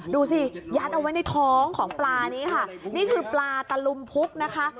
ดูสิยัดเอาไว้ในท้องของปลานี้ค่ะนี่คือปลาตะลุมพุกนะคะ